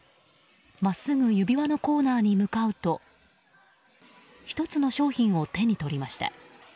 真っすぐ指輪のコーナーに向かうと１つの商品を手に取りました。